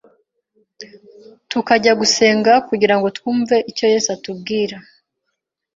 tukajya gusenga kugira ngo twumve icyo Yesu atubwira